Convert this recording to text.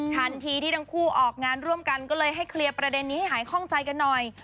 ทันทีที่ทั้งคู่ออกงานร่วมกันก็เลยให้เคลียร์ประเด็นนี้ให้หายคล่องใจกันหน่อย